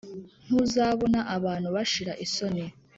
Ntuzabona abantu bashira isoni.